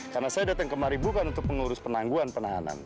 karena saya datang kemari bukan untuk mengurus penangguan penahanan